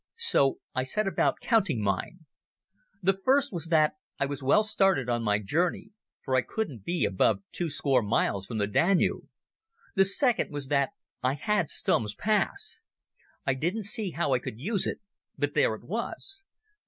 So I set about counting mine. The first was that I was well started on my journey, for I couldn't be above two score miles from the Danube. The second was that I had Stumm's pass. I didn't see how I could use it, but there it was.